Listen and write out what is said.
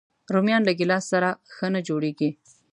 رومیان له ګیلاس سره ښه نه جوړيږي